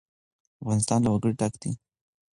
افغانستان له وګړي ډک دی.